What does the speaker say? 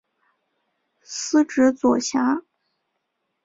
司职左闸。